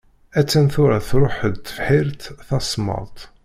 Attan tura truḥ-d tebḥritt d tasemmaḍt.